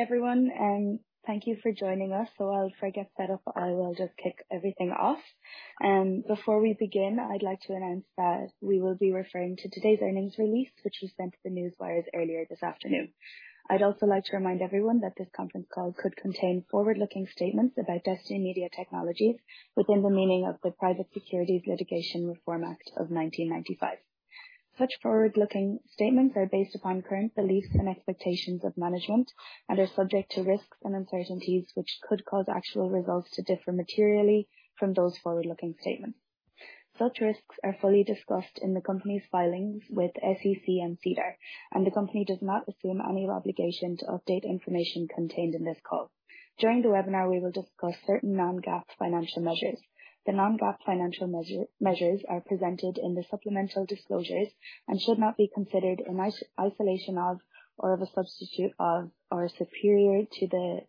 Everyone, thank you for joining us. While Fred gets set up, I will just kick everything off. Before we begin, I'd like to announce that we will be referring to today's earnings release, which we sent to the newswires earlier this afternoon. I'd also like to remind everyone that this conference call could contain forward-looking statements about Destiny Media Technologies within the meaning of the Private Securities Litigation Reform Act of 1995. Such forward-looking statements are based upon current beliefs and expectations of management and are subject to risks and uncertainties, which could cause actual results to differ materially from those forward-looking statements. Such risks are fully discussed in the company's filings with SEC and SEDAR, and the company does not assume any obligation to update information contained in this call. During the webinar, we will discuss certain non-GAAP financial measures. The non-GAAP financial measures are presented in the supplemental disclosures and should not be considered in isolation of, or as a substitute of, or superior to the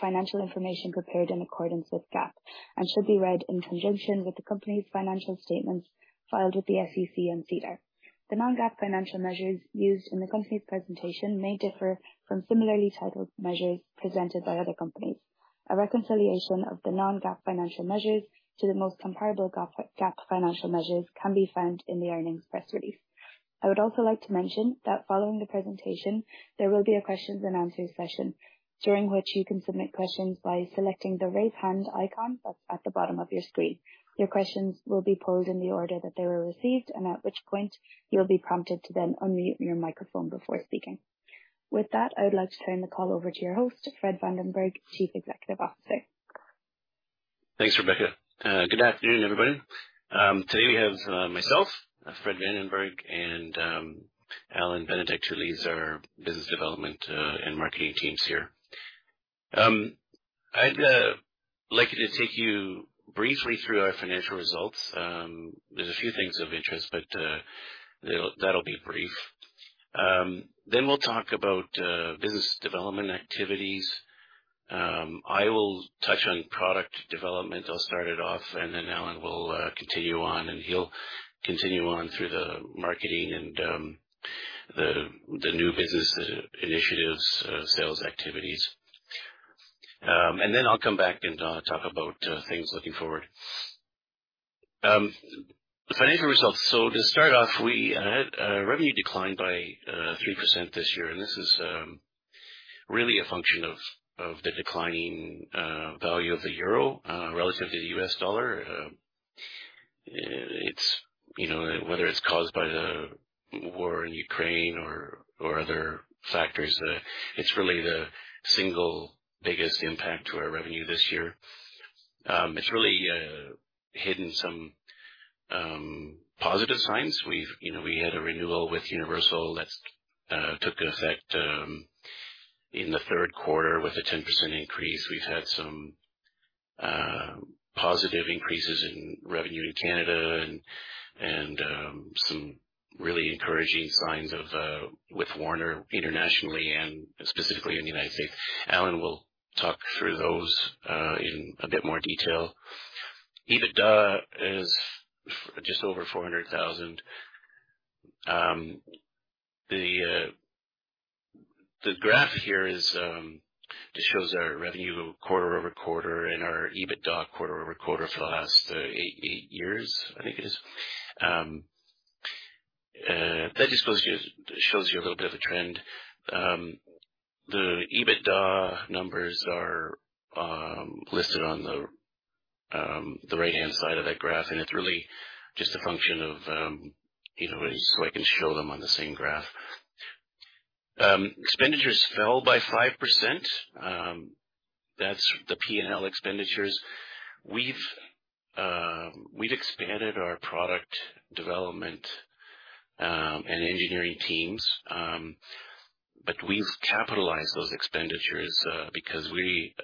financial information prepared in accordance with GAAP and should be read in conjunction with the company's financial statements filed with the SEC and SEDAR. The non-GAAP financial measures used in the company's presentation may differ from similarly titled measures presented by other companies. A reconciliation of the non-GAAP financial measures to the most comparable GAAP financial measures can be found in the earnings press release. I would also like to mention that following the presentation, there will be a questions-and-answers session, during which you can submit questions by selecting the Raise Hand icon that's at the bottom of your screen. Your questions will be posed in the order that they were received and at which point you'll be prompted to then unmute your microphone before speaking. With that, I would like to turn the call over to your host, Fred Vandenberg, Chief Executive Officer. Thanks, Rebecca. Good afternoon, everybody. Today we have myself, Fred Vandenberg, and Allan Benedict, who leads our Business Development and Marketing teams here. I'd like to take you briefly through our financial results. There's a few things of interest, but that'll be brief. Then we'll talk about business development activities. I will touch on product development. I'll start it off, and then Allan will continue on, and he'll continue on through the marketing and the new business initiatives, sales activities. Then I'll come back and talk about things looking forward, the financial results. To start off, we had a revenue decline by 3% this year, and this is really a function of the declining value of the euro relative to the U.S. dollar. It's, you know, whether it's caused by the war in Ukraine or other factors, it's really the single biggest impact to our revenue this year. It's really hidden some positive signs. We've, you know, we had a renewal with Universal that took effect in the third quarter with a 10% increase. We've had some positive increases in revenue in Canada and some really encouraging signs with Warner internationally and specifically in the United States. Allan will talk through those in a bit more detail. EBITDA is just over $400,000. The graph here is just shows our revenue quarter-over-quarter and our EBITDA quarter-over-quarter for the last eight years, I think it is. That shows you a little bit of a trend. The EBITDA numbers are listed on the right-hand side of that graph, and it's really just a function of, you know, so I can show them on the same graph. Expenditures fell by 5%. That's the P&L expenditures. We've expanded our product development and engineering teams, but we've capitalized those expenditures, because we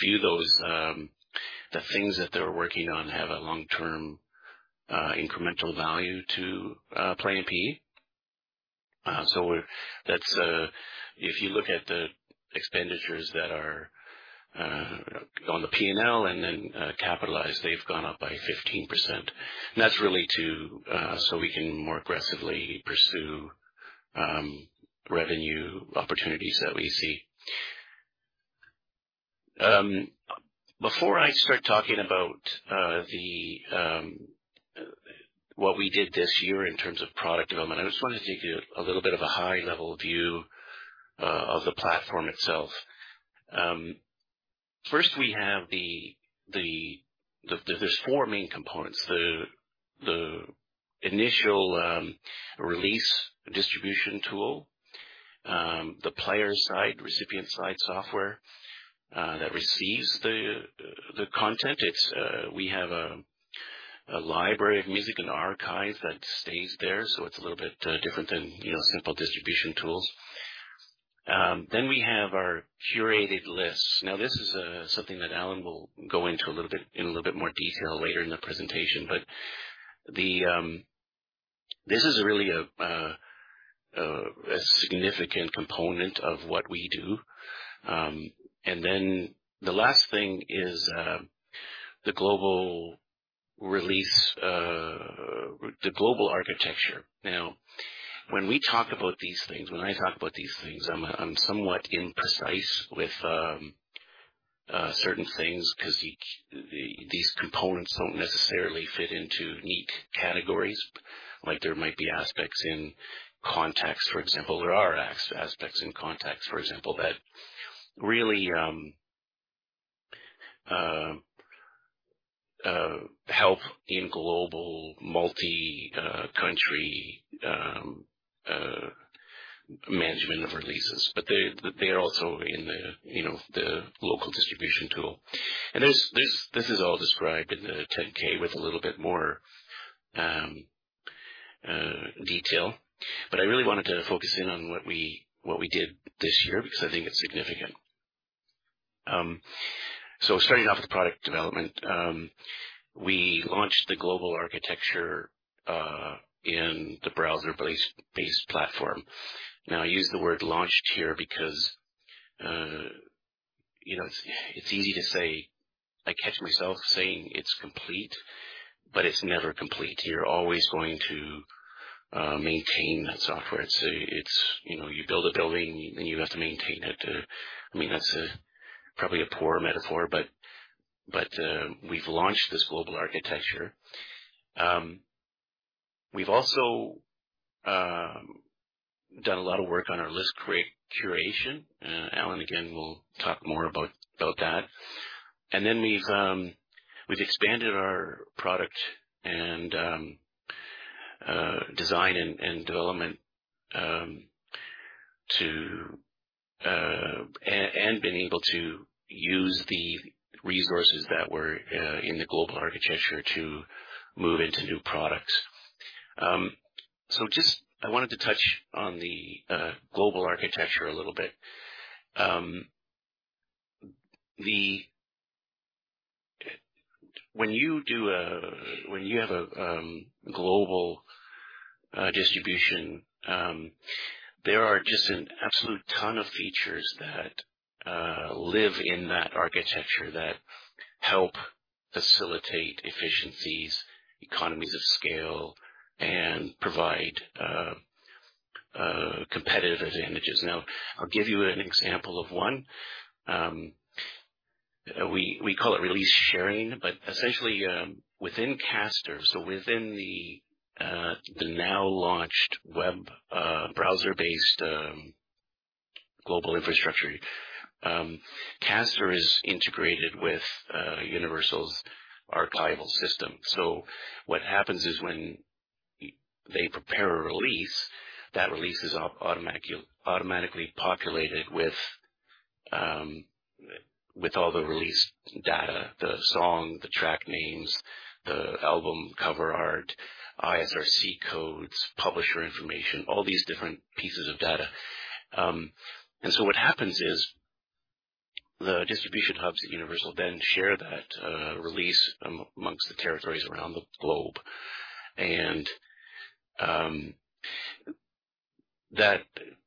view those the things that they're working on have a long-term incremental value to Play MPE. That's if you look at the expenditures that are on the P&L and then capitalized, they've gone up by 15%. That's really so we can more aggressively pursue revenue opportunities that we see. Before I start talking about what we did this year in terms of product development, I just wanted to give you a little bit of a high-level view of the platform itself. First, there's four main components. The initial release distribution tool, the player side, recipient side software that receives the content. It's. We have a library of music, an archive that stays there, so it's a little bit different than, you know, simple distribution tools. We have our curated lists. Now, this is something that Allan will go into a little bit, in a little bit more detail later in the presentation, but this is really a significant component of what we do. The last thing is the global release, the global architecture. Now, when I talk about these things, I'm somewhat imprecise with certain things 'cause these components don't necessarily fit into neat categories. Like, there might be aspects in contacts, for example. There are aspects in contacts, for example, that really help in global multi-country management of releases. They are also in the, you know, the local distribution tool. This is all described in the 10-K with a little bit more detail. I really wanted to focus in on what we did this year because I think it's significant. So starting off with product development. We launched the global architecture in the browser-based platform. Now, I use the word launched here because, you know, it's easy to say. I catch myself saying it's complete, but it's never complete. You're always going to maintain that software. It's, you know, you build a building, and you have to maintain it. I mean, that's probably a poor metaphor. But we've launched this global architecture. We've also done a lot of work on our list curation. Allan, again, will talk more about that. We've expanded our product and design and development to and been able to use the resources that were in the global architecture to move into new products. I just wanted to touch on the global architecture a little bit. When you have a global distribution, there are just an absolute ton of features that live in that architecture that help facilitate efficiencies, economies of scale, and provide competitive advantages. I'll give you an example of one. We call it release sharing, but essentially, within Caster, so within the now launched web browser-based global infrastructure, Caster is integrated with Universal's archival system. What happens is when they prepare a release, that release is automatically populated with all the release data, the song, the track names, the album cover art, ISRC codes, publisher information, all these different pieces of data. What happens is the distribution hubs at Universal then share that release amongst the territories around the globe.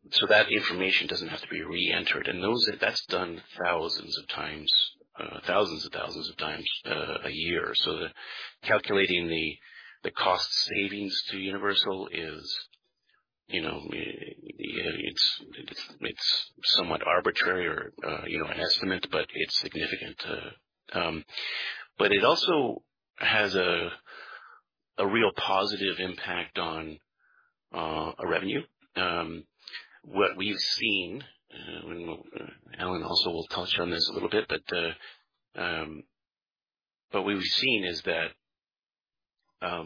That information doesn't have to be reentered. That's done thousands of times, thousands of thousands of times a year. Calculating the cost savings to Universal is, you know, it's somewhat arbitrary or, you know, an estimate, but it's significant. But it also has a real positive impact on our revenue. What we've seen, and Allan also will touch on this a little bit, but what we've seen is that,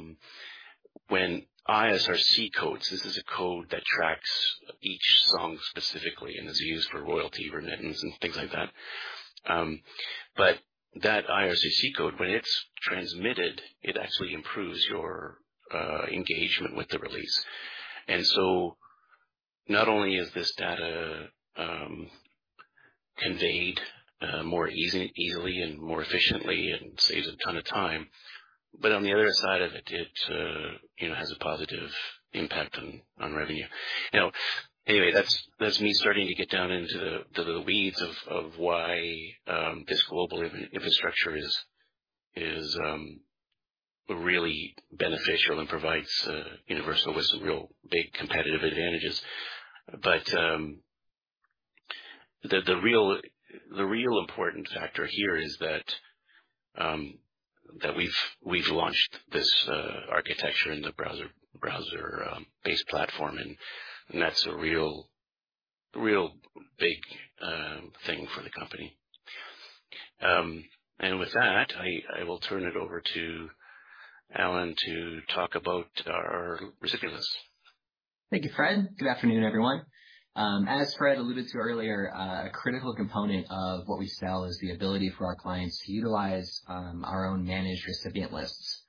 when ISRC codes, this is a code that tracks each song specifically and is used for royalty remittances and things like that. But that ISRC code, when it's transmitted, it actually improves your engagement with the release. Not only is this data conveyed more easily and more efficiently and saves a ton of time, but on the other side of it, you know, has a positive impact on revenue. You know, anyway, that's me starting to get down into the weeds of why this global infrastructure is really beneficial and provides Universal with some real big competitive advantages. The real important factor here is that we've launched this architecture in the browser based platform, and that's a real big thing for the company. With that, I will turn it over to Allan to talk about our recipient lists. Thank you, Fred. Good afternoon, everyone. As Fred alluded to earlier, a critical component of what we sell is the ability for our clients to utilize our own managed recipient lists.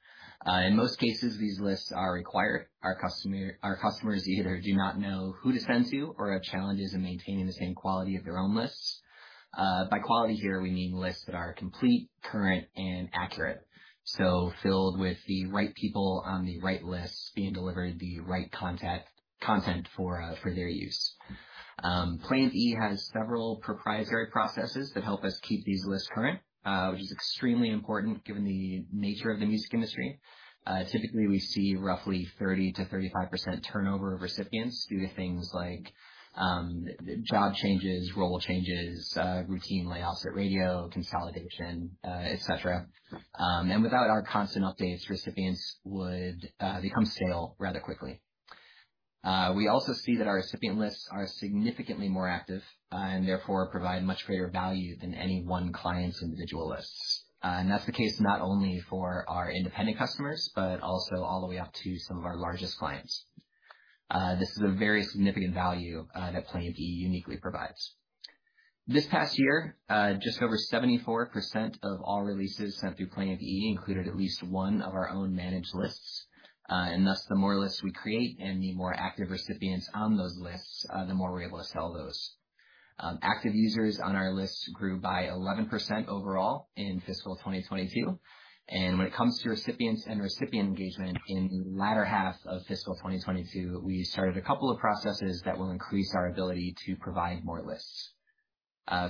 In most cases, these lists are required. Our customers either do not know who to send to or have challenges in maintaining the same quality of their own lists. By quality here, we mean lists that are complete, current and accurate. Filled with the right people on the right lists being delivered the right content for their use. Play MPE has several proprietary processes that help us keep these lists current, which is extremely important given the nature of the music industry. Typically, we see roughly 30%-35% turnover of recipients due to things like, job changes, role changes, routine layoffs at radio consolidation, et cetera. Without our constant updates, recipients would become stale rather quickly. We also see that our recipient lists are significantly more active and therefore provide much greater value than any one client's individual lists. That's the case not only for our independent customers, but also all the way up to some of our largest clients. This is a very significant value that Play MPE uniquely provides. This past year, just over 74% of all releases sent through Play MPE included at least one of our own managed lists. Thus, the more lists we create and the more active recipients on those lists, the more we're able to sell those. Active users on our lists grew by 11% overall in fiscal 2022. When it comes to recipients and recipient engagement, in the latter half of fiscal 2022, we started a couple of processes that will increase our ability to provide more lists.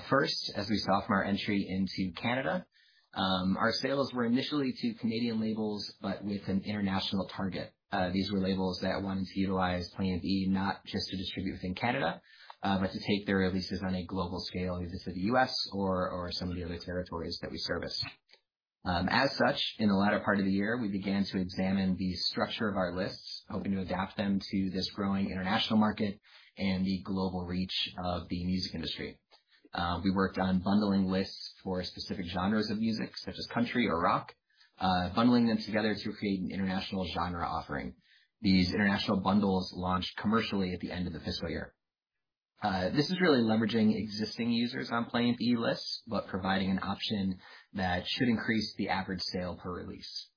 First, as we saw from our entry into Canada, our sales were initially to Canadian labels, but with an international target. These were labels that wanted to utilize Play MPE, not just to distribute within Canada, but to take their releases on a global scale, either to the U.S. or some of the other territories that we service. As such, in the latter part of the year, we began to examine the structure of our lists, hoping to adapt them to this growing international market and the global reach of the music industry. We worked on bundling lists for specific genres of music such as country or rock, bundling them together to create an international genre offering. These international bundles launched commercially at the end of the fiscal year. This is really leveraging existing users on Play MPE lists, but providing an option that should increase the average sale per release.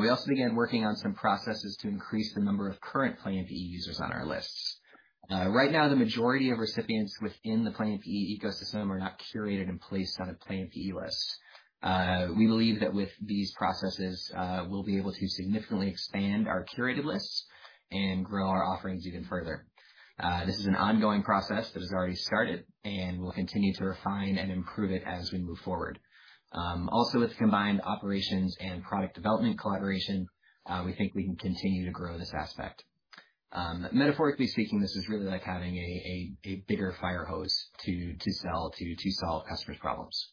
We also began working on some processes to increase the number of current Play MPE users on our lists. Right now, the majority of recipients within the Play MPE ecosystem are not curated and placed on a Play MPE list. We believe that with these processes, we'll be able to significantly expand our curated lists and grow our offerings even further. This is an ongoing process that has already started, and we'll continue to refine and improve it as we move forward. Also with combined operations and product development collaboration, we think we can continue to grow this aspect. Metaphorically speaking, this is really like having a bigger fire hose to solve customers' problems.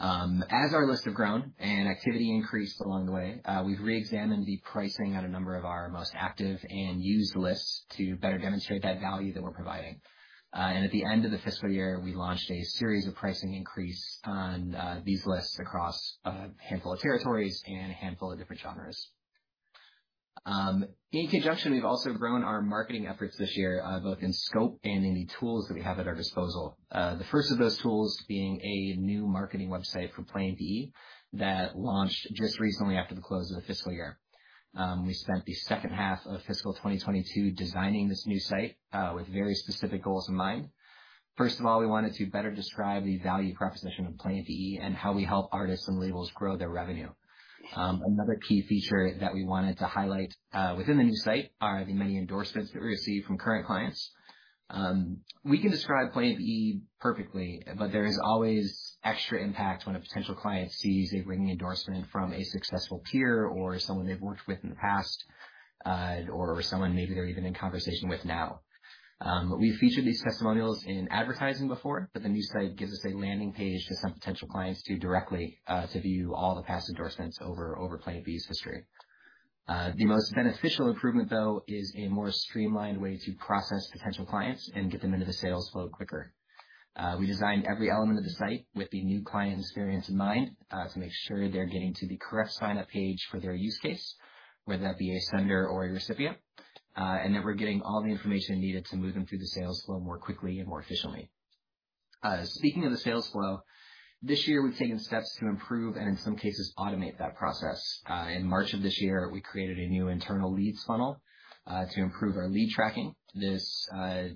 As our lists have grown and activity increased along the way, we've reexamined the pricing on a number of our most active and used lists to better demonstrate that value that we're providing. At the end of the fiscal year, we launched a series of pricing increase on these lists across a handful of territories and a handful of different genres. In conjunction, we've also grown our marketing efforts this year, both in scope and in the tools that we have at our disposal. The first of those tools being a new marketing website for Play MPE that launched just recently after the close of the fiscal year. We spent the second half of fiscal 2022 designing this new site with very specific goals in mind. First of all, we wanted to better describe the value proposition of Play MPE and how we help artists and labels grow their revenue. Another key feature that we wanted to highlight within the new site are the many endorsements that we receive from current clients. We can describe Play MPE perfectly, but there is always extra impact when a potential client sees a ringing endorsement from a successful peer or someone they've worked with in the past, or someone maybe they're even in conversation with now. We featured these testimonials in advertising before, but the new site gives us a landing page to send potential clients to directly, to view all the past endorsements over Play MPE's history. The most beneficial improvement, though, is a more streamlined way to process potential clients and get them into the sales flow quicker. We designed every element of the site with the new client experience in mind, to make sure they're getting to the correct sign-up page for their use case, whether that be a sender or a recipient, and that we're getting all the information needed to move them through the sales flow more quickly and more efficiently. Speaking of the sales flow, this year we've taken steps to improve and in some cases automate that process. In March of this year, we created a new internal leads funnel, to improve our lead tracking. This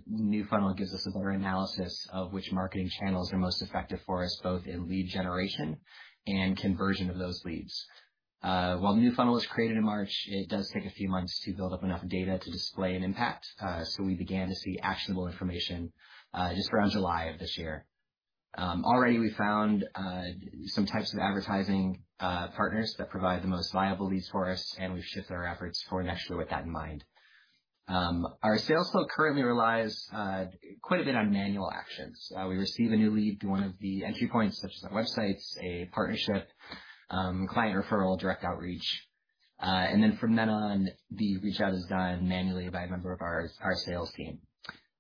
new funnel gives us a better analysis of which marketing channels are most effective for us, both in lead generation and conversion of those leads. While the new funnel was created in March, it does take a few months to build up enough data to display an impact. We began to see actionable information, just around July of this year. Already we found some types of advertising partners that provide the most viable leads for us, and we've shifted our efforts for next year with that in mind. Our sales flow currently relies quite a bit on manual actions. We receive a new lead through one of the entry points, such as the websites, a partnership, client referral, direct outreach, and then from then on, the reach-out is done manually by a member of our sales team.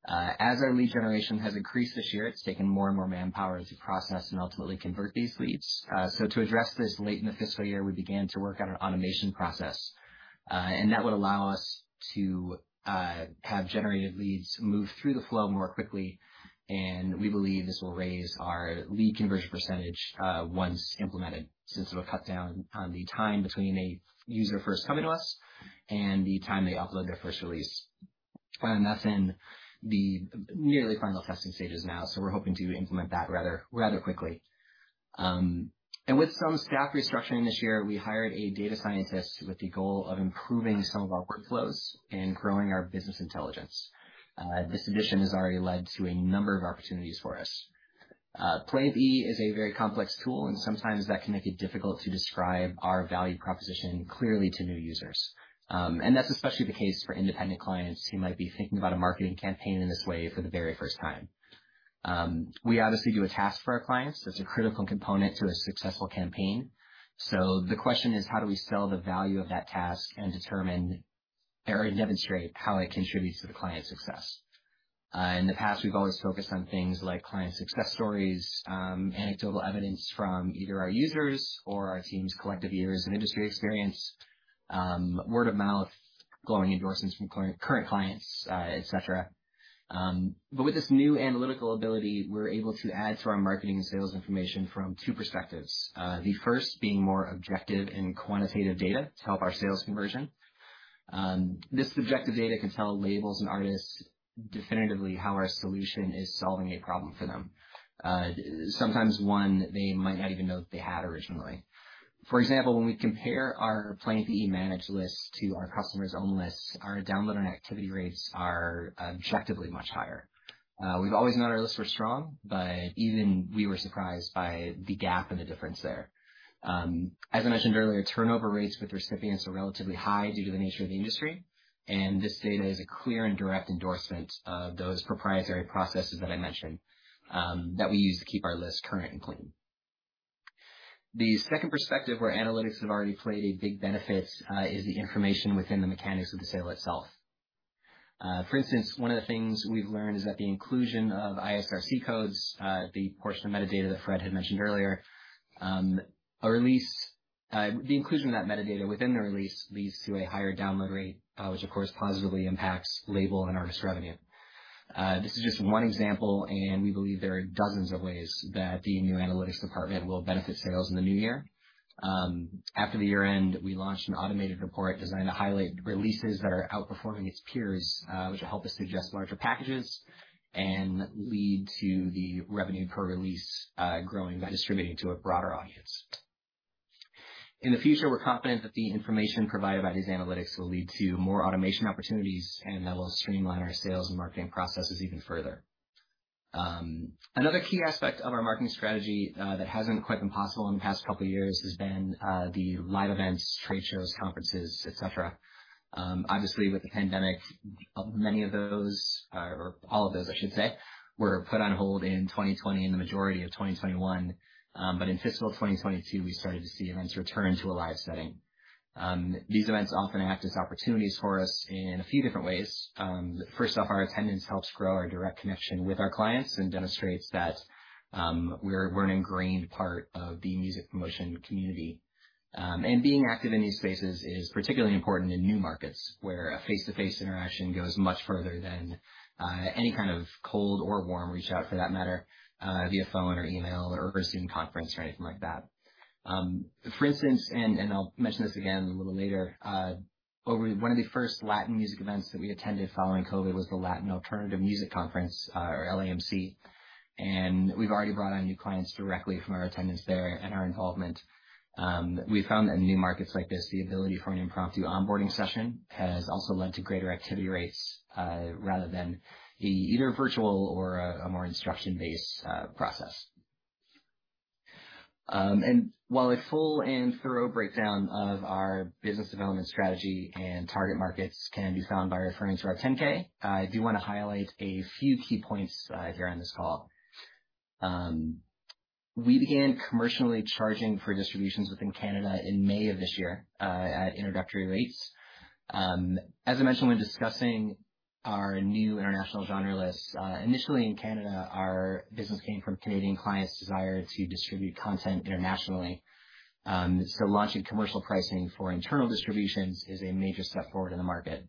As our lead generation has increased this year, it's taken more and more manpower to process and ultimately convert these leads. To address this, late in the fiscal year, we began to work on an automation process, and that would allow us to have generated leads move through the flow more quickly. We believe this will raise our lead conversion percentage, once implemented, since it'll cut down on the time between a user first coming to us and the time they upload their first release. That's in the nearly final testing stages now. We're hoping to implement that rather quickly. With some staff restructuring this year, we hired a data scientist with the goal of improving some of our workflows and growing our business intelligence. This addition has already led to a number of opportunities for us. Play MPE is a very complex tool, and sometimes that can make it difficult to describe our value proposition clearly to new users. That's especially the case for independent clients who might be thinking about a marketing campaign in this way for the very first time. We obviously do a task for our clients. That's a critical component to a successful campaign. The question is, how do we sell the value of that task and determine or demonstrate how it contributes to the client's success? In the past, we've always focused on things like client success stories, anecdotal evidence from either our users or our team's collective years in industry experience, word of mouth, glowing endorsements from current clients, et cetera. With this new analytical ability, we're able to add to our marketing and sales information from two perspectives. The first being more objective and quantitative data to help our sales conversion. This subjective data can tell labels and artists definitively how our solution is solving a problem for them. Sometimes one they might not even know that they had originally. For example, when we compare our Play MPE managed lists to our customers' own lists, our download and activity rates are objectively much higher. We've always known our lists were strong, but even we were surprised by the gap and the difference there. As I mentioned earlier, turnover rates with recipients are relatively high due to the nature of the industry, and this data is a clear and direct endorsement of those proprietary processes that I mentioned, that we use to keep our list current and clean. The second perspective where analytics have already played a big benefit is the information within the mechanics of the sale itself. For instance, one of the things we've learned is that the inclusion of ISRC codes, the portion of metadata that Fred had mentioned earlier, the inclusion of that metadata within the release leads to a higher download rate, which of course positively impacts label and artist revenue. This is just one example, and we believe there are dozens of ways that the new analytics department will benefit sales in the new year. After the year end, we launched an automated report designed to highlight releases that are outperforming its peers, which will help us suggest larger packages and lead to the revenue per release growing by distributing to a broader audience. In the future, we're confident that the information provided by these analytics will lead to more automation opportunities, and that will streamline our sales and marketing processes even further. Another key aspect of our marketing strategy that hasn't quite been possible in the past couple of years has been the live events, trade shows, conferences, et cetera. Obviously, with the pandemic, all of those, I should say, were put on hold in 2020 and the majority of 2021. In fiscal 2022, we started to see events return to a live setting. These events often act as opportunities for us in a few different ways. First off, our attendance helps grow our direct connection with our clients and demonstrates that we're an ingrained part of the music promotion community. Being active in these spaces is particularly important in new markets where a face-to-face interaction goes much further than any kind of cold or warm reach out for that matter via phone or email or a Zoom conference or anything like that. For instance, I'll mention this again a little later. One of the first Latin music events that we attended following COVID was the Latin Alternative Music Conference, or LAMC, and we've already brought on new clients directly from our attendance there and our involvement. We found that in new markets like this, the ability for an impromptu onboarding session has also led to greater activity rates rather than the either virtual or a more instruction-based process. While a full and thorough breakdown of our business development strategy and target markets can be found by referring to our 10-K, I do wanna highlight a few key points here on this call. We began commercially charging for distributions within Canada in May of this year at introductory rates. As I mentioned when discussing our new international genre lists. Initially in Canada, our business came from Canadian clients' desire to distribute content internationally. Launching commercial pricing for internal distributions is a major step forward in the market.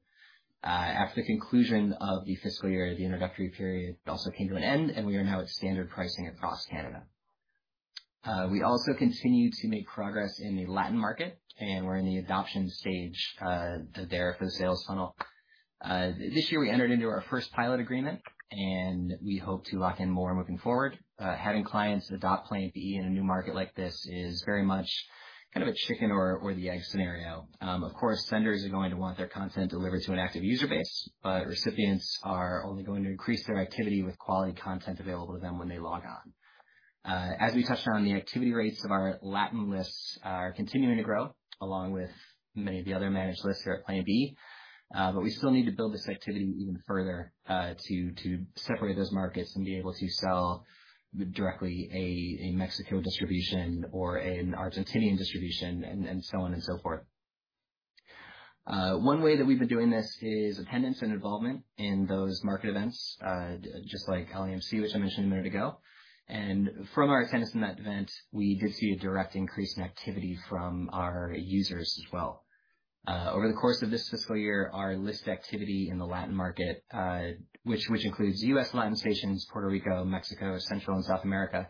At the conclusion of the fiscal year, the introductory period also came to an end, and we are now at standard pricing across Canada. We also continue to make progress in the Latin market, and we're in the adoption stage thereof of the sales funnel. This year, we entered into our first pilot agreement, and we hope to lock in more moving forward. Having clients adopt Play MPE in a new market like this is very much kind of a chicken or the egg scenario. Of course, senders are going to want their content delivered to an active user base, but recipients are only going to increase their activity with quality content available to them when they log on. As we touched on, the activity rates of our Latin lists are continuing to grow, along with many of the other managed lists here at Play MPE. We still need to build this activity even further, to separate those markets and be able to sell directly a Mexico distribution or an Argentinian distribution and so on and so forth. One way that we've been doing this is attendance and involvement in those market events, just like LAMC, which I mentioned a minute ago. From our attendance in that event, we did see a direct increase in activity from our users as well. Over the course of this fiscal year, our list activity in the Latin market, which includes U.S. Latin stations, Puerto Rico, Mexico, Central and South America.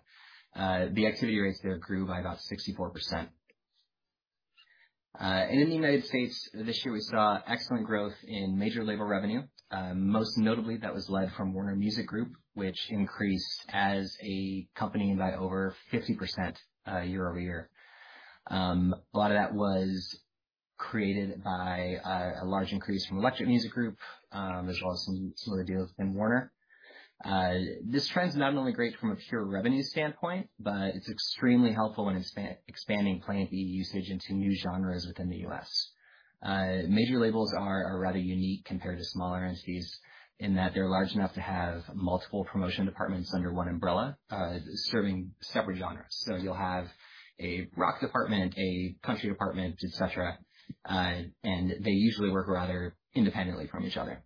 The activity rates there grew by about 64%. In the United States this year, we saw excellent growth in major label revenue. Most notably that was led from Warner Music Group, which increased as a company by over 50%, year-over-year. A lot of that was created by a large increase from Elektra Music Group. There's also some similar deals within Warner. This trend is not only great from a pure revenue standpoint, but it's extremely helpful in expanding Play MPE usage into new genres within the U.S. Major labels are rather unique compared to smaller entities in that they're large enough to have multiple promotion departments under one umbrella, serving separate genres. You'll have a rock department, a country department, et cetera. They usually work rather independently from each other.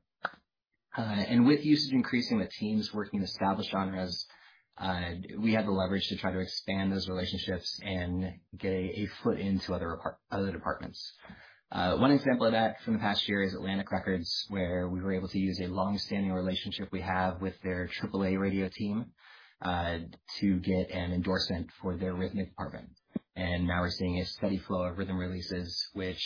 With usage increasing with teams working established genres, we have the leverage to try to expand those relationships and get a foot into other departments. One example of that from the past year is Atlantic Records, where we were able to use a long-standing relationship we have with their AAA radio team to get an endorsement for their rhythmic department. Now we're seeing a steady flow of rhythm releases, which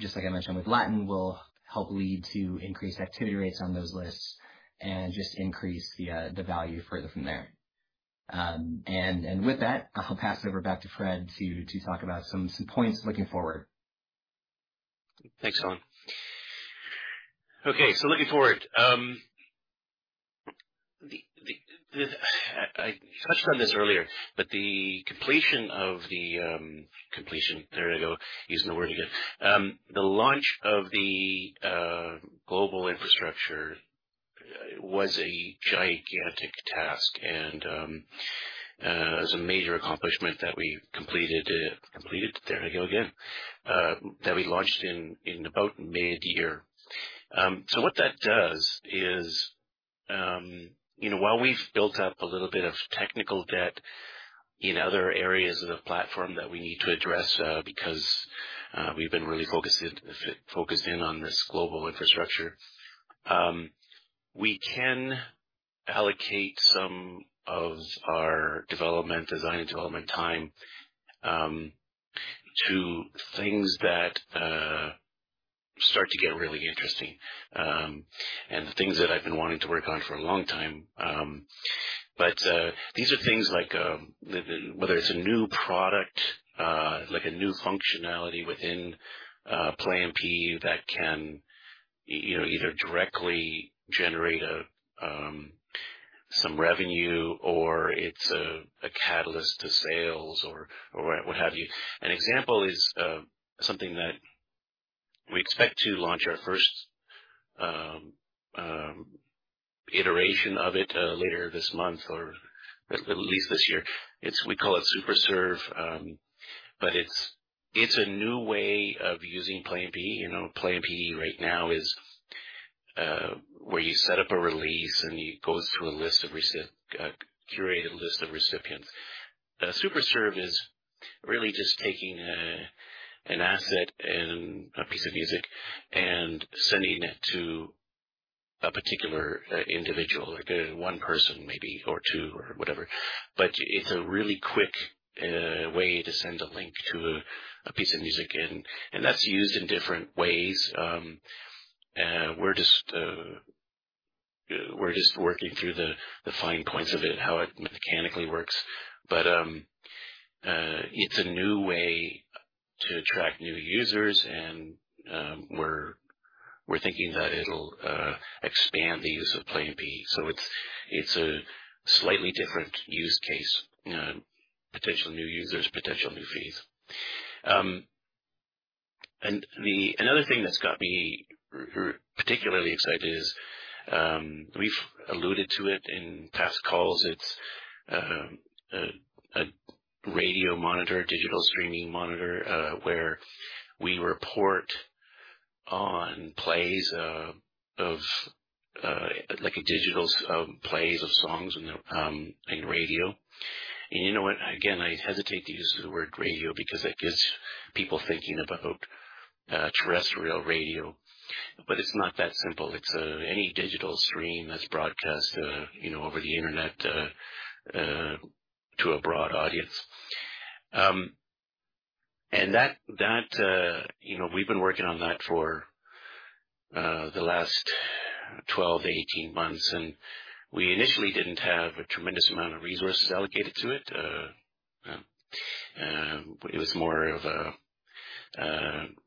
just like I mentioned with Latin, will help lead to increased activity rates on those lists and just increase the value further from there. With that, I'll pass it over back to Fred to talk about some points looking forward. Thanks, Allan. Okay. Looking forward. I touched on this earlier, but the completion of the launch of the global infrastructure was a gigantic task and is a major accomplishment that we completed that we launched in about mid-year. What that does is, you know, while we've built up a little bit of technical debt in other areas of the platform that we need to address because we've been really focused in on this global infrastructure, we can allocate some of our development, design and development time to things that start to get really interesting and the things that I've been wanting to work on for a long time. These are things like, whether it's a new product, like a new functionality within Play MPE that can you know, either directly generate some revenue or it's a catalyst to sales or what have you. An example is something that we expect to launch our first iteration of it later this month or at least this year. We call it super serve. It's a new way of using Play MPE. You know, Play MPE right now is where you set up a release and it goes through a curated list of recipients. Super Serve is really just taking an asset and a piece of music and sending it to a particular individual or one person maybe, or two, or whatever. It's a really quick way to send a link to a piece of music and that's used in different ways. We're just working through the fine points of it, how it mechanically works. It's a new way to attract new users and we're thinking that it'll expand the use of Play MPE. It's a slightly different use case. Potential new users, potential new fees. Another thing that's got me particularly excited is, we've alluded to it in past calls. It's a radio monitor, digital streaming monitor, where we report on plays of like digital plays of songs and radio. You know what? Again, I hesitate to use the word radio because that gets people thinking about terrestrial radio, but it's not that simple. It's any digital stream that's broadcast, you know, over the Internet to a broad audience. That you know we've been working on that for the last 12-18 months, and we initially didn't have a tremendous amount of resources allocated to it. It was more of a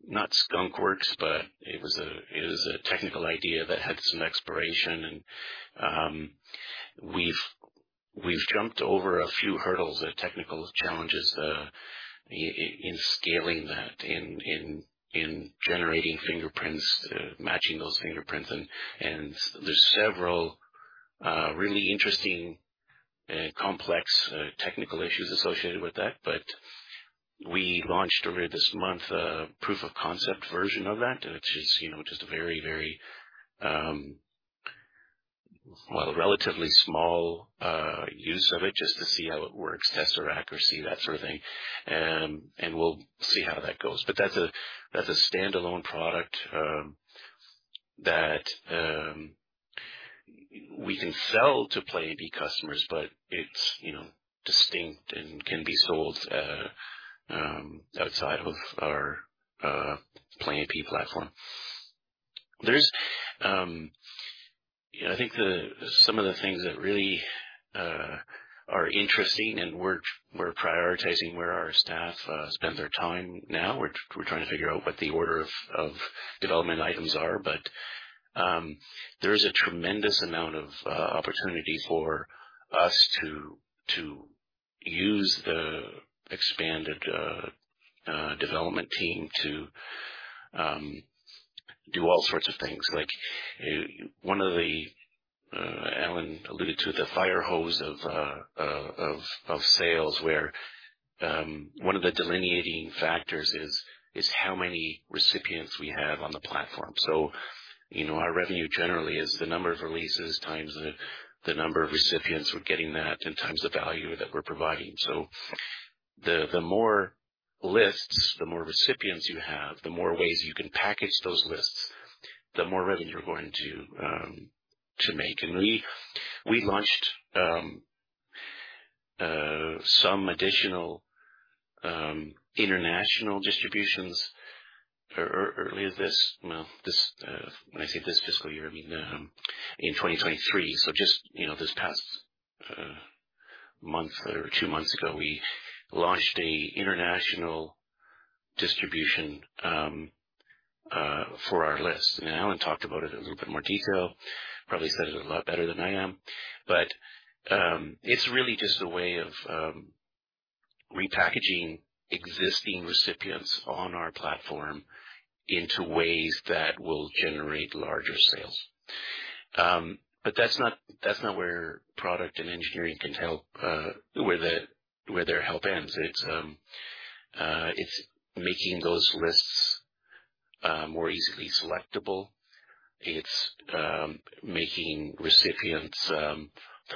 not skunkworks, but it was a technical idea that had some exploration. We've jumped over a few hurdles and technical challenges in scaling that, in generating fingerprints, matching those fingerprints. There's several really interesting complex technical issues associated with that. We launched earlier this month a proof of concept version of that, which is, you know, just a very, well, a relatively small use of it just to see how it works, test our accuracy, that sort of thing. We'll see how that goes. That's a standalone product that we can sell to Play MPE customers, but it's, you know, distinct and can be sold outside of our Play MPE platform. There's I think some of the things that really are interesting and we're prioritizing where our staff spend their time now. We're trying to figure out what the order of development items are. There is a tremendous amount of opportunity for us to use the expanded development team to do all sorts of things. Like, one of the, Allan alluded to the firehose of sales where one of the delineating factors is how many recipients we have on the platform. You know, our revenue generally is the number of releases times the number of recipients who are getting that and times the value that we're providing. The more lists, the more recipients you have, the more ways you can package those lists, the more revenue you're going to make. We launched some additional international distributions earlier this fiscal year. Well, when I say this fiscal year, I mean in 2023. Just, you know, this past month or two months ago, we launched an international distribution for our list. Allan talked about it in a little bit more detail, probably said it a lot better than I am. It's really just a way of repackaging existing recipients on our platform into ways that will generate larger sales. That's not where product and engineering can help, where their help ends. It's making those lists more easily selectable. It's making recipients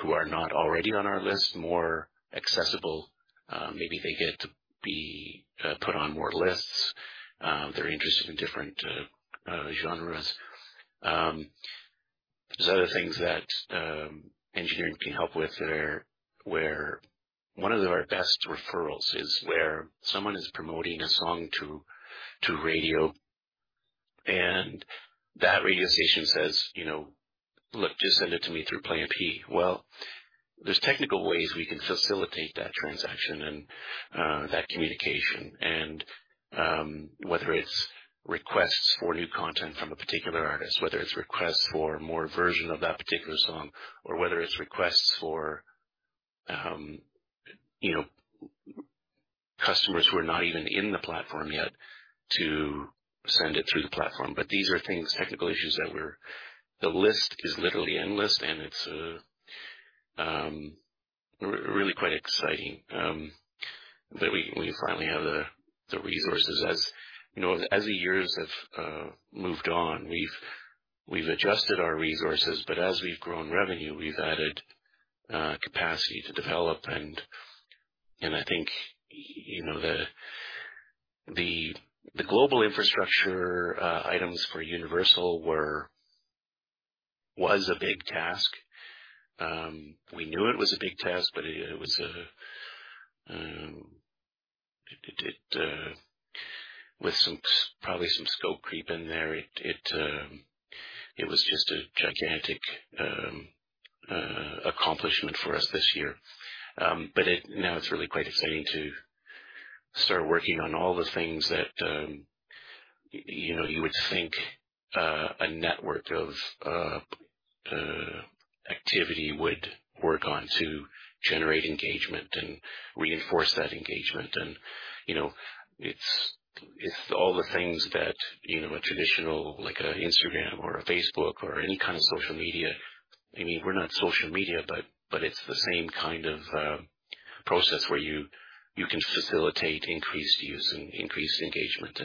who are not already on our list more accessible. Maybe they get to be put on more lists. They're interested in different genres. There's other things that engineering can help with there where one of our best referrals is where someone is promoting a song to radio, and that radio station says, you know, "Look, just send it to me through Play MPE." Well, there's technical ways we can facilitate that transaction and that communication and whether it's requests for new content from a particular artist, whether it's requests for more versions of that particular song, or whether it's requests for, you know, customers who are not even in the platform yet to send it through the platform. These are things, technical issues that we're. The list is literally endless, and it's really quite exciting that we finally have the resources. As you know, as the years have moved on, we've adjusted our resources, but as we've grown revenue, we've added capacity to develop and I think you know the global infrastructure items for Universal was a big task. We knew it was a big task, but it was with probably some scope creep in there, it was just a gigantic accomplishment for us this year. Now it's really quite exciting to start working on all the things that you know you would think a network of activity would work on to generate engagement and reinforce that engagement. You know, it's all the things that, you know, a traditional like a Instagram or a Facebook or any kind of social media. I mean, we're not social media, but it's the same kind of process where you can facilitate increased use and increased engagement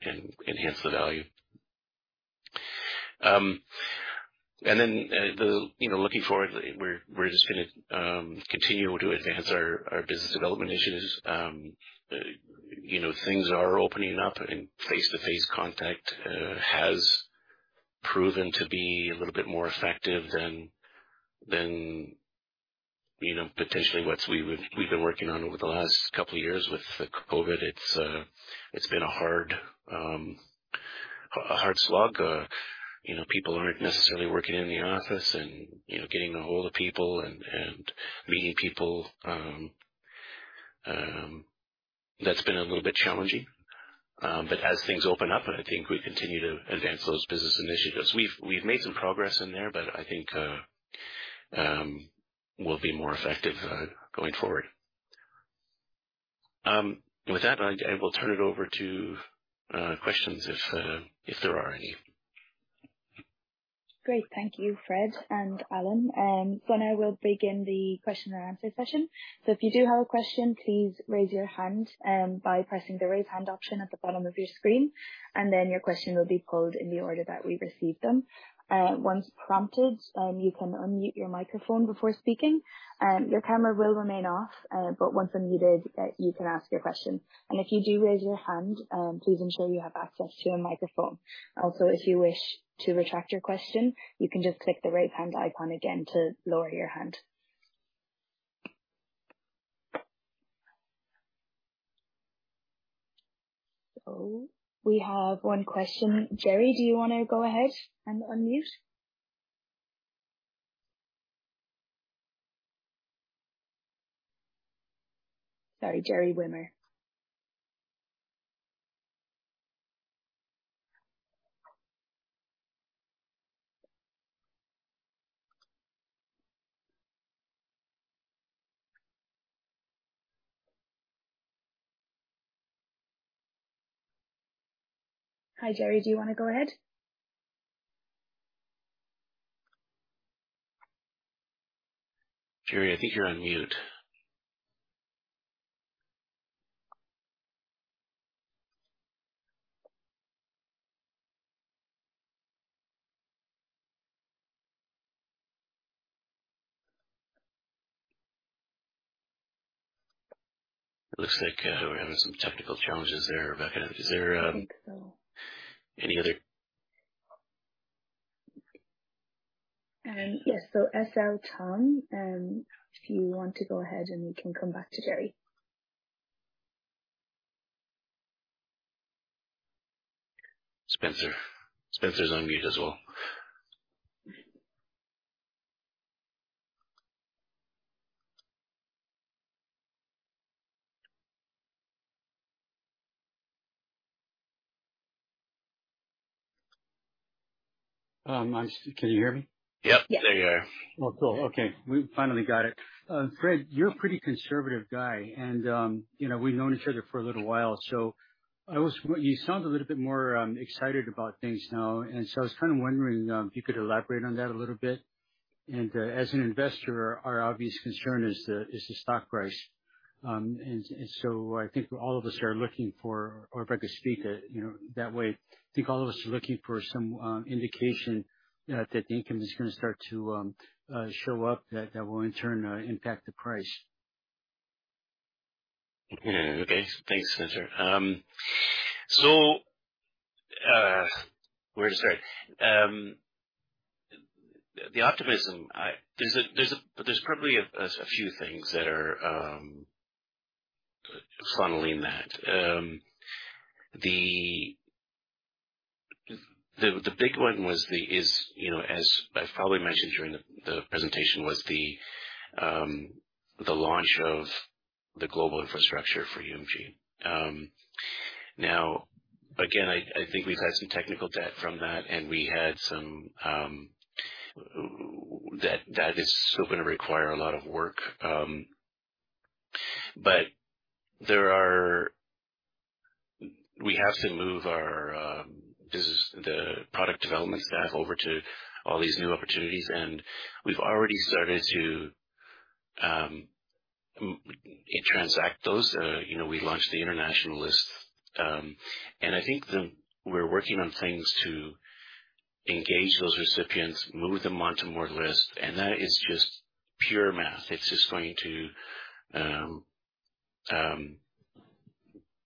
and enhance the value. You know, looking forward, we're just gonna continue to enhance our business development initiatives. You know, things are opening up and face-to-face contact has proven to be a little bit more effective than, you know, potentially what we've been working on over the last couple of years with the COVID. It's been a hard slog. You know, people aren't necessarily working in the office and, you know, getting a hold of people and meeting people. That's been a little bit challenging. As things open up, I think we continue to advance those business initiatives. We've made some progress in there, but I think we'll be more effective going forward. With that, I will turn it over to questions if there are any. Great. Thank you, Fred and Allan. Now we'll begin the question-and-answer session. If you do have a question, please raise your hand by pressing the Raise Hand option at the bottom of your screen, and then your question will be called in the order that we received them. Once prompted, you can unmute your microphone before speaking. Your camera will remain off, but once unmuted, you can ask your question. If you do raise your hand, please ensure you have access to a microphone. Also, if you wish to retract your question, you can just click the Raise Hand icon again to lower your hand. We have one question. Gerry, do you wanna go ahead and unmute? Sorry, Gerry Wimmer. Hi, Gerry. Do you wanna go ahead? Gerry, I think you're on mute. It looks like we're having some technical challenges there, Rebecca. Is there I think so. Any other. Yes. Spencer Tom, if you want to go ahead, and we can come back to Gerry. Spencer. Spencer's on mute as well. Can you hear me? Yep. Yes. There you are. Oh, cool. Okay, we finally got it. Fred, you're a pretty conservative guy, and you know, we've known each other for a little while, so you sound a little bit more excited about things now. I was kinda wondering if you could elaborate on that a little bit. As an investor, our obvious concern is the stock price. I think all of us are looking for, or if I could speak, you know, that way, some indication that the income is gonna start to show up that will in turn impact the price. Okay. Thanks, Spencer. Where to start? The optimism. There's probably a few things that are funneling that. The big one is, you know, as I probably mentioned during the presentation, the launch of the global infrastructure for UMG. Now again, I think we've had some technical debt from that, and that is still gonna require a lot of work. We have to move our business, the product development staff over to all these new opportunities, and we've already started to implement those, you know. We launched the international list. I think the... We're working on things to engage those recipients, move them onto more lists, and that is just pure math. It's just going to.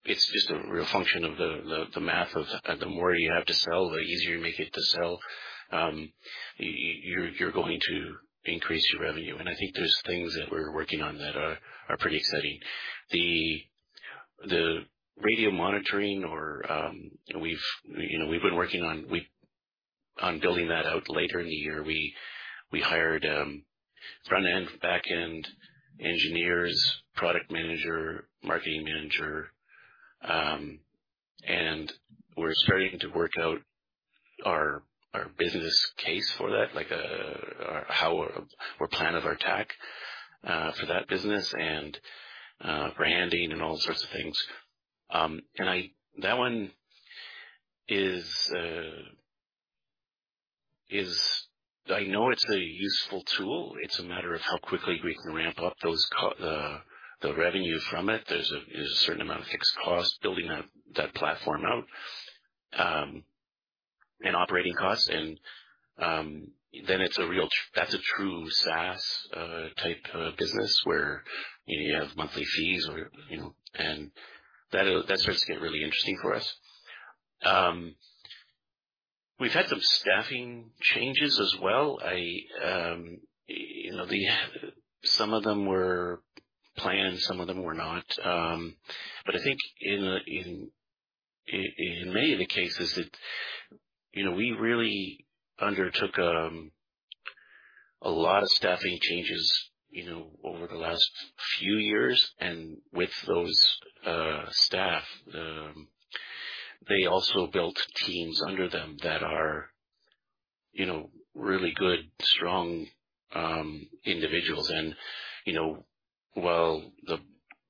It's just a real function of the math of the more you have to sell, the easier you make it to sell, you're going to increase your revenue. I think there's things that we're working on that are pretty exciting. The radio monitoring. We've you know we've been working on building that out later in the year. We hired front-end, back-end engineers, product manager, marketing manager, and we're starting to work out our business case for that, like, our plan of attack for that business and branding and all sorts of things. That one is. I know it's a useful tool. It's a matter of how quickly we can ramp up the revenue from it. There's a certain amount of fixed costs building out that platform, and operating costs, and then that's a true SaaS type of business where, you know, you have monthly fees or, you know, and that starts to get really interesting for us. We've had some staffing changes as well. You know, some of them were planned, some of them were not. I think in many of the cases, it's, you know, we really undertook a lot of staffing changes, you know, over the last few years. With those staff, they also built teams under them that are, you know, really good, strong individuals. While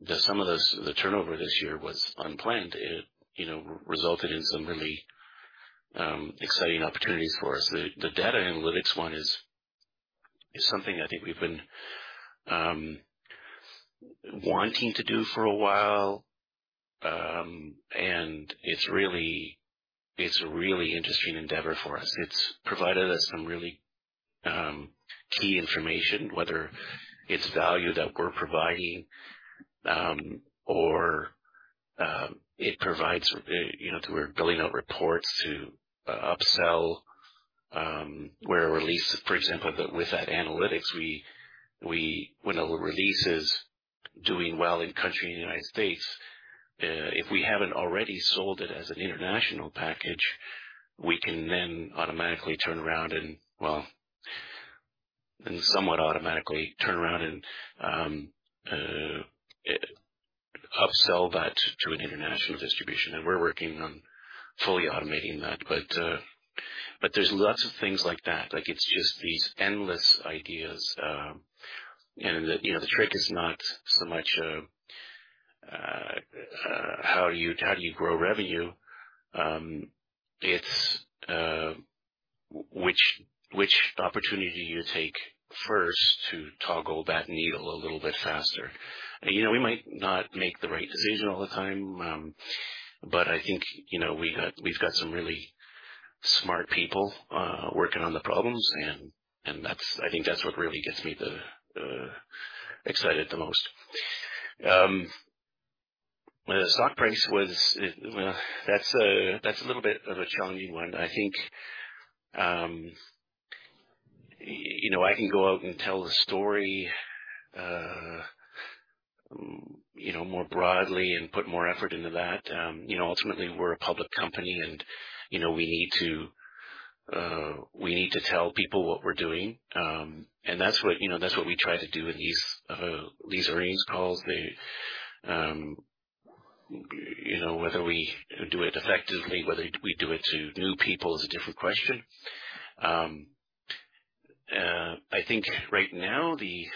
some of the turnover this year was unplanned, it, you know, resulted in some really exciting opportunities for us. The data analytics one is something I think we've been wanting to do for a while, and it's a really interesting endeavor for us. It's provided us some really key information, whether it's value that we're providing, or it provides, you know, we're building out reports to upsell, where a release, for example, with that analytics, when a release is doing well in country in the United States, if we haven't already sold it as an international package, we can then automatically turn around and, well, somewhat automatically upsell that to an international distribution. We're working on fully automating that. There's lots of things like that. Like, it's just these endless ideas. You know, the trick is not so much how do you grow revenue? It's which opportunity you take first to toggle that needle a little bit faster. You know, we might not make the right decision all the time, but I think, you know, we've got some really smart people working on the problems, and that's I think that's what really gets me excited the most. The stock price was. Well, that's a little bit of a challenging one. I think, you know, I can go out and tell the story, you know, more broadly and put more effort into that. You know, ultimately, we're a public company, and, you know, we need to tell people what we're doing. And that's what, you know, that's what we try to do with these earnings calls. They, you know, whether we do it effectively, whether we do it to new people is a different question. I think right now, you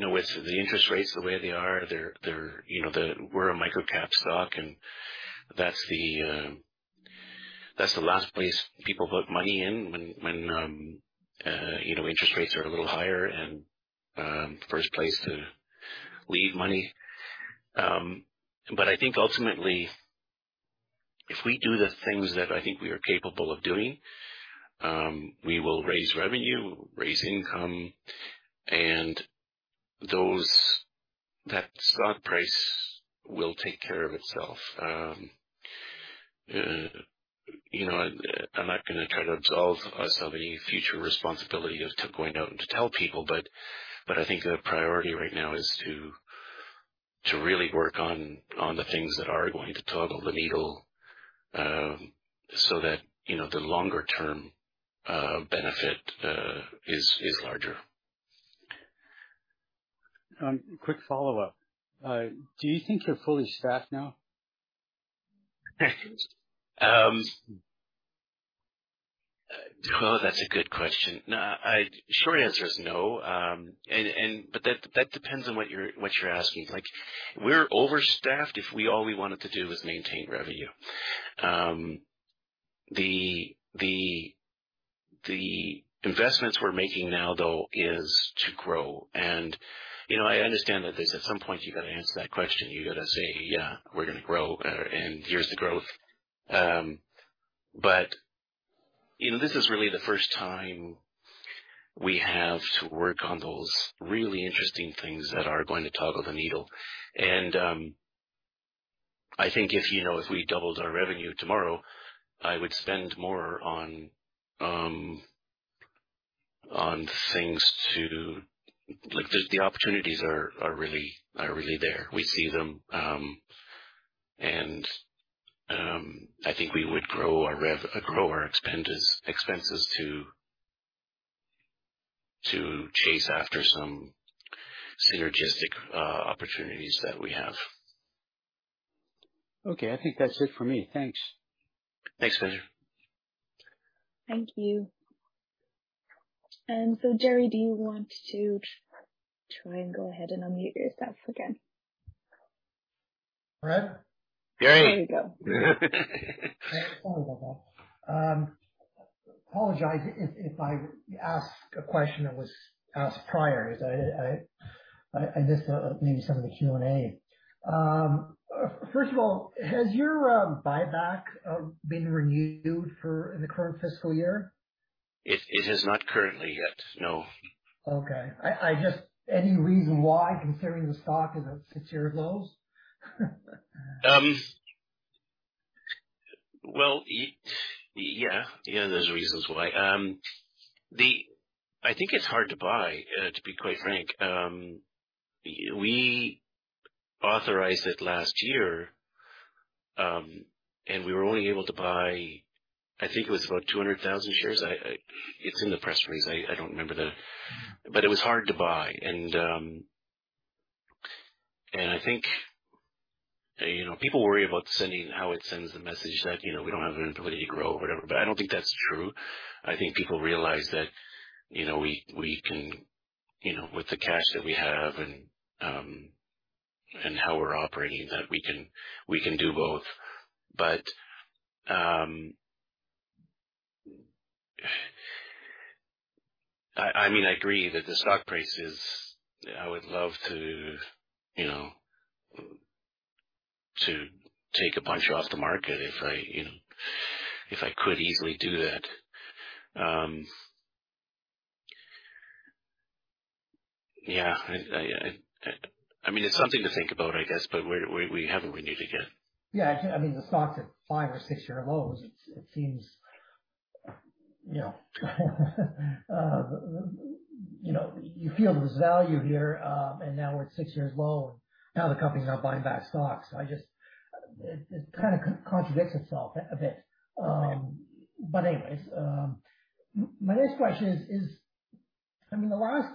know, with the interest rates the way they are, you know, we're a microcap stock, and that's the last place people put money in when, you know, interest rates are a little higher and first place to leave money. I think ultimately, if we do the things that I think we are capable of doing, we will raise revenue, raise income, and that stock price will take care of itself. You know, I'm not gonna try to absolve us of any future responsibility of going out and to tell people, but I think the priority right now is to really work on the things that are going to move the needle, so that, you know, the longer term benefit is larger. Quick follow-up. Do you think you're fully staffed now? That's a good question. Short answer is no. But that depends on what you're asking. Like, we're overstaffed if all we wanted to do was maintain revenue. The investments we're making now, though, is to grow. You know, I understand that there's at some point you got to answer that question. You gotta say, "Yeah, we're gonna grow, and here's the growth." You know, this is really the first time we have to work on those really interesting things that are going to toggle the needle. I think, you know, if we doubled our revenue tomorrow, I would spend more on things. Like, the opportunities are really there. We see them. I think we would grow our expenses to chase after some synergistic opportunities that we have. Okay. I think that's it for me. Thanks. Thanks, Spencer. Thank you. Gerry, do you want to try and go ahead and unmute yourself again? All right. Great. There you go. Sorry about that. Apologize if I ask a question that was asked prior. I missed maybe some of the Q&A. First of all, has your buyback been renewed for the current fiscal year? It has not currently yet, no. Okay. Any reason why, considering the stock is at six-year lows? Well, yeah. Yeah, there's reasons why. I think it's hard to buy, to be quite frank. We authorized it last year, and we were only able to buy, I think it was about 200,000 shares. It's in the press release. I don't remember. But it was hard to buy. I think, you know, people worry about how it sends the message that, you know, we don't have an ability to grow, whatever. I don't think that's true. I think people realize that, you know, we can, you know, with the cash that we have and how we're operating, that we can do both. I mean, I agree that the stock price is. I would love to, you know, to take a bunch off the market if I, you know, if I could easily do that. Yeah, I mean, it's something to think about, I guess, but we haven't renewed again. Yeah. I mean, the stock's at five- or six-year lows. It seems, you know, you know, you feel there's value here, and now we're at six-year low. Now the company's not buying back stocks. I just. It kinda contradicts itself a bit. But anyways, my next question is. I mean, the last.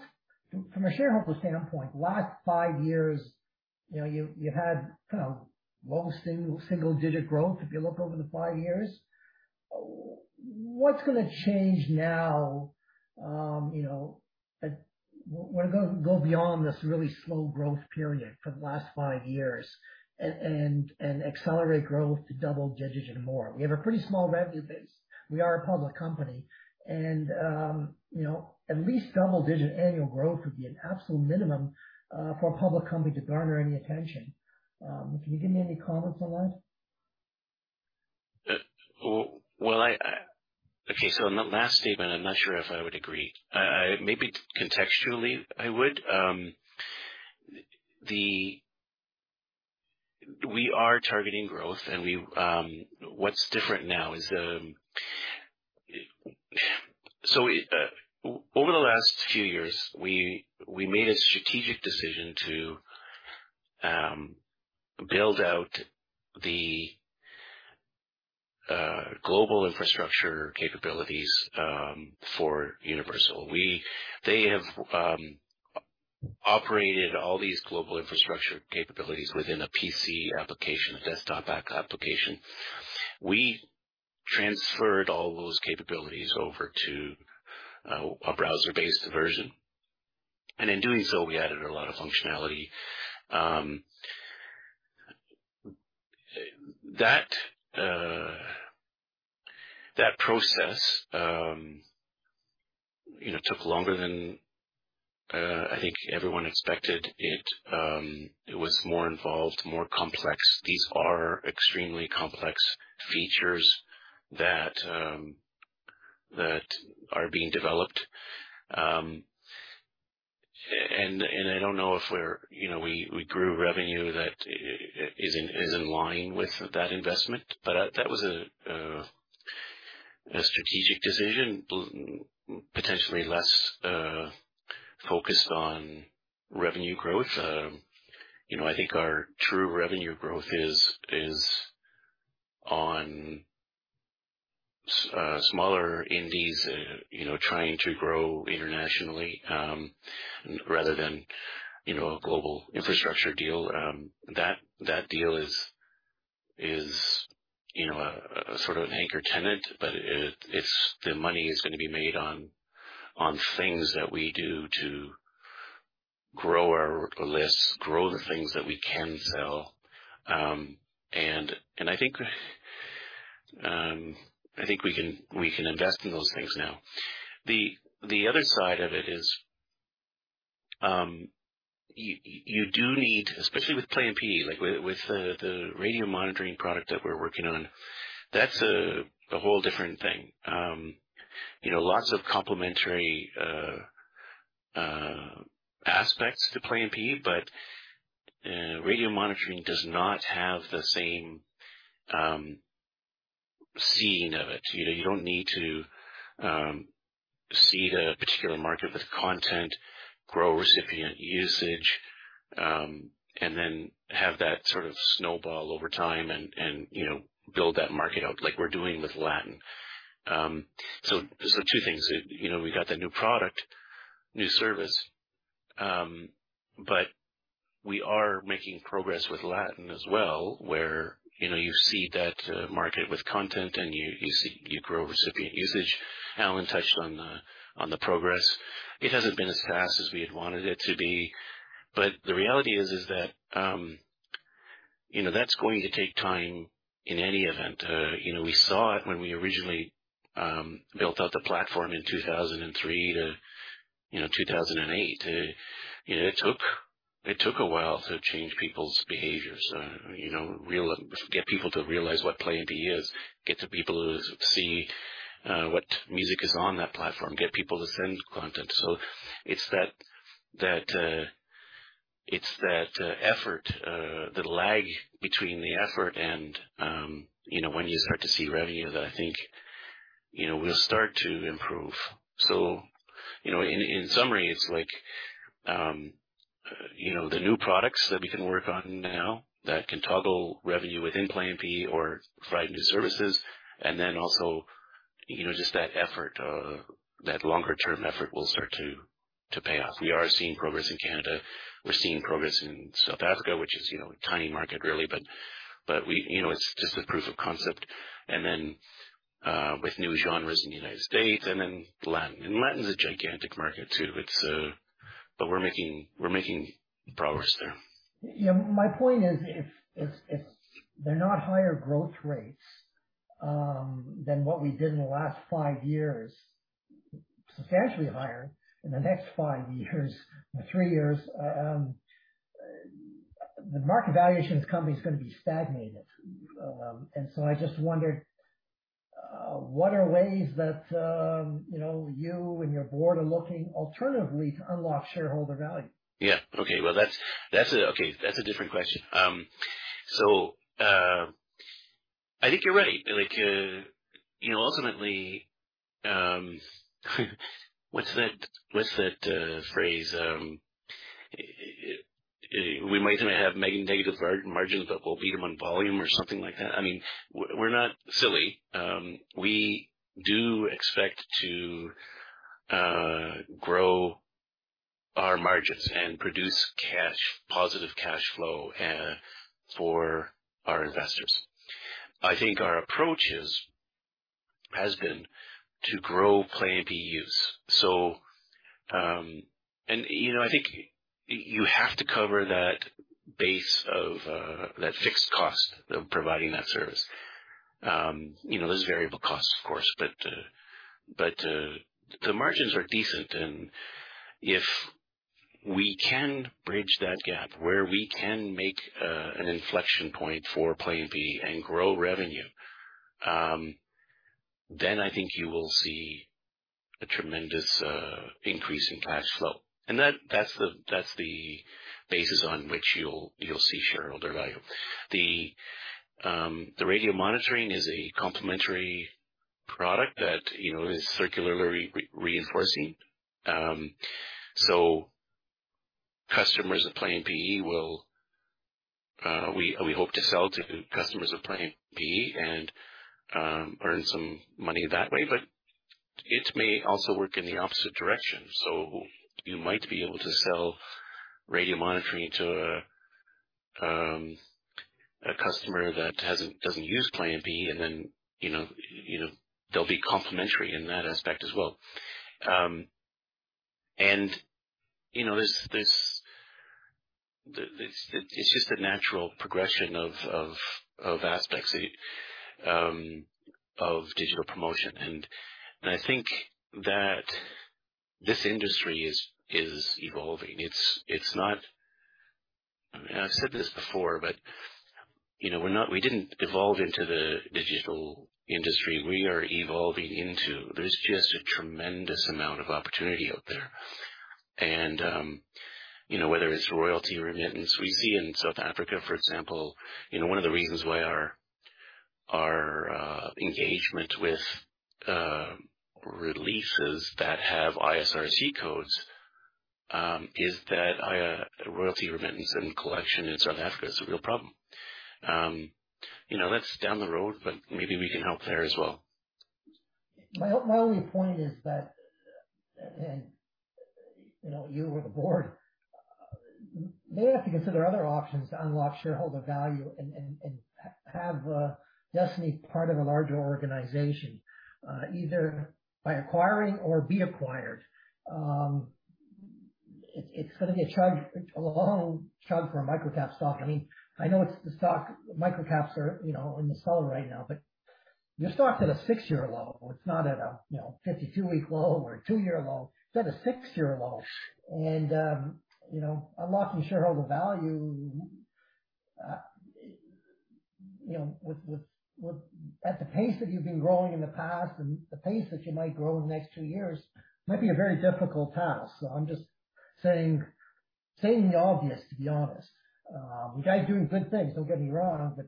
From a shareholder standpoint, the last five years, you know, you had, you know, low single-digit growth, if you look over the five years. What's gonna change now, you know. We're gonna go beyond this really slow growth period for the last five years and accelerate growth to double digits and more. We have a pretty small revenue base. We are a public company and, you know, at least double-digit annual growth would be an absolute minimum for a public company to garner any attention. Can you give me any comments on that? Okay, on that last statement, I'm not sure if I would agree. Maybe contextually I would. We are targeting growth. What's different now is over the last few years, we made a strategic decision to build out the global infrastructure capabilities for Universal. They have operated all these global infrastructure capabilities within a PC application, a desktop app application. We transferred all those capabilities over to a browser-based version, and in doing so, we added a lot of functionality. That process, you know, took longer than I think everyone expected. It was more involved, more complex. These are extremely complex features that are being developed. And I don't know if we're. You know, we grew revenue that is in line with that investment, but that was a strategic decision, potentially less focused on revenue growth. You know, I think our true revenue growth is on smaller indies, you know, trying to grow internationally, rather than, you know, a global infrastructure deal. That deal is a sort of an anchor tenant, but it's. The money is gonna be made on things that we do to grow our lists, grow the things that we can sell. I think we can invest in those things now. The other side of it is, you do need, especially with Play MPE, like with the radio monitoring product that we're working on, that's a whole different thing. You know, lots of complementary aspects to Play MPE, but radio monitoring does not have the same seeding of it. You know, you don't need to seed a particular market with content, grow recipient usage, and then have that sort of snowball over time and you know, build that market out like we're doing with Latin. There's the two things. You know, we got the new product, new service, but we are making progress with Latin as well, where you know, you seed that market with content and you grow recipient usage. Allan touched on the progress. It hasn't been as fast as we had wanted it to be, but the reality is that, you know, that's going to take time in any event. You know, we saw it when we originally built out the platform in 2003-2008. You know, it took a while to change people's behaviors, get people to realize what Play MPE is, get people to see what music is on that platform, get people to send content. It's that effort, the lag between the effort and, you know, when you start to see revenue that I think, you know, will start to improve. In summary, it's like, you know, the new products that we can work on now that can toggle revenue within Play MPE or provide new services and then also, you know, just that effort, that longer term effort will start to pay off. We are seeing progress in Canada. We're seeing progress in South Africa, which is, you know, a tiny market really, but we. You know, it's just a proof of concept. Then, with new genres in the United States and then Latin. Latin's a gigantic market too. It's. But we're making progress there. Yeah. My point is, if they're not higher growth rates than what we did in the last five years. Substantially higher in the next five years or three years. The market valuation of the company is gonna be stagnated. I just wondered what are ways that you know, you and your board are looking alternatively to unlock shareholder value? Yeah. Okay. Well, that's a different question. I think you're right. Like, you know, ultimately, what's that phrase? We might even have negative margins, but we'll beat them on volume or something like that. I mean, we're not silly. We do expect to grow our margins and produce cash positive cash flow for our investors. I think our approach has been to grow Play MPE use. You know, I think you have to cover that base of that fixed cost of providing that service. You know, there's variable costs of course, but the margins are decent. If we can bridge that gap where we can make an inflection point for Play MPE and grow revenue, then I think you will see a tremendous increase in cash flow. That that's the basis on which you'll see shareholder value. The radio monitoring is a complementary product that, you know, is circularly reinforcing. So customers of Play MPE will, we hope to sell to customers of Play MPE and earn some money that way. It may also work in the opposite direction. You might be able to sell radio monitoring to a customer that doesn't use Play MPE, and then, you know, they'll be complementary in that aspect as well. You know, there's It's just a natural progression of aspects of digital promotion. I think that this industry is evolving. It's not. I've said this before, but you know, we didn't evolve into the digital industry. We are evolving into. There's just a tremendous amount of opportunity out there. You know, whether it's royalty remittance, we see in South Africa, for example, you know, one of the reasons why our engagement with releases that have ISRC codes is that royalty remittance and collection in South Africa is a real problem. You know, that's down the road, but maybe we can help there as well. My only point is that, you know, you or the board may have to consider other options to unlock shareholder value and have Destiny part of a larger organization, either by acquiring or be acquired. It's gonna be a long chug for a microcap stock. I mean, I know it's the stock. Microcaps are, you know, in the cellar right now, but your stock's at a six-year low. It's not at a, you know, 52-week low or a two-year low. It's at a six-year lows. You know, unlocking shareholder value, you know, at the pace that you've been growing in the past and the pace that you might grow in the next two years, might be a very difficult task. So I'm just saying the obvious, to be honest. You guys are doing good things, don't get me wrong, but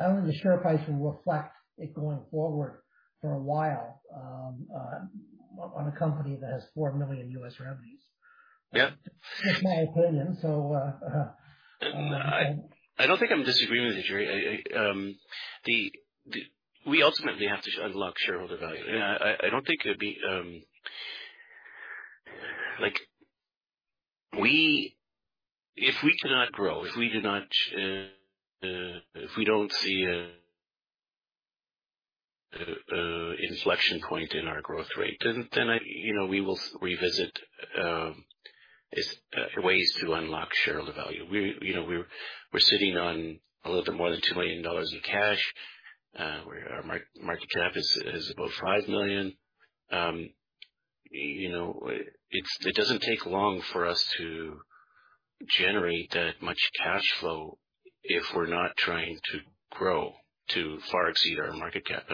I don't know for sure if I should reflect it going forward for a while on a company that has $4 million revenues. Just my opinion. I don't think I'm in disagreement with you, Gerry. We ultimately have to unlock shareholder value. I don't think it'd be. If we cannot grow, if we do not, if we don't see a inflection point in our growth rate, then I you know we will revisit this ways to unlock shareholder value. We you know we're sitting on a little bit more than $2 million in cash. Our market cap is about $5 million. You know it doesn't take long for us to generate that much cash flow if we're not trying to grow to far exceed our market cap.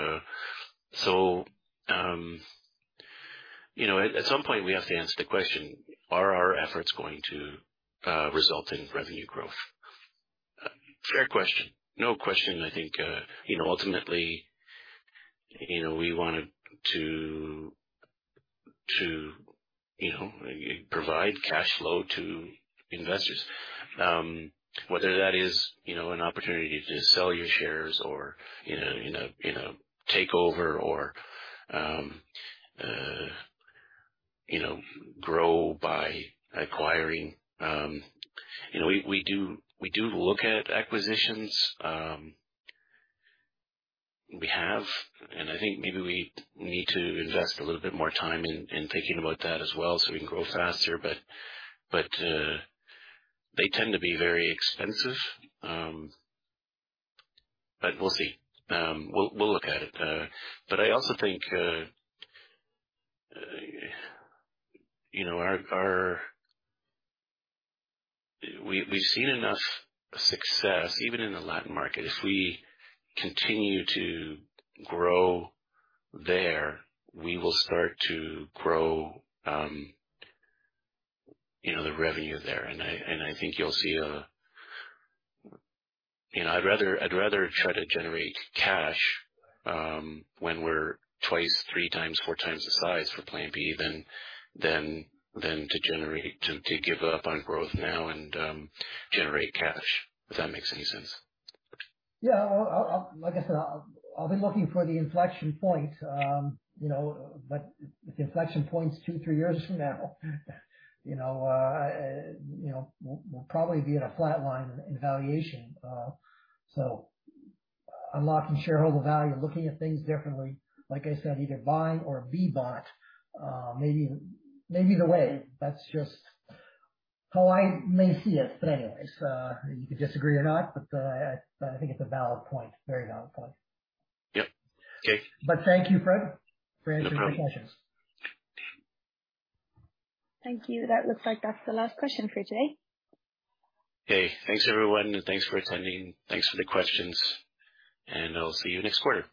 So you know at some point we have to answer the question, are our efforts going to result in revenue growth? Fair question. No question. I think, you know, ultimately, you know, we wanted to provide cash flow to investors, whether that is, you know, an opportunity to sell your shares or, you know, in a takeover or, you know, grow by acquiring. You know, we do look at acquisitions. We have, and I think maybe we need to invest a little bit more time in thinking about that as well so we can grow faster. They tend to be very expensive. We'll see. We'll look at it. I also think, you know, we've seen enough success even in the Latin market. If we continue to grow there, we will start to grow, you know, the revenue there. I think you'll see. You know, I'd rather try to generate cash when we're twice, 3x, 4x the size for Play MPE than to give up on growth now and generate cash, if that makes any sense. Yeah. I'll be looking for the inflection point, you know. If the inflection point's two, three years from now, you know, we'll probably be at a flat line in valuation. Unlocking shareholder value, looking at things differently, like I said, either buying or be bought, may either way. That's just how I may see it. Anyways, you can disagree or not, but I think it's a valid point. Very valid point. Yep. Okay. Thank you, Fred, for answering the questions. No problem. Thank you. That looks like that's the last question for today. Okay. Thanks, everyone, and thanks for attending. Thanks for the questions, and I'll see you next quarter.